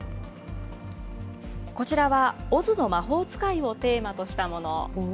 こちらはオズの魔法使いをテーマとしたもの。